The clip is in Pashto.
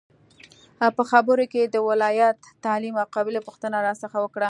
په خبرو کې یې د ولایت، تعلیم او قبیلې پوښتنه راڅخه وکړه.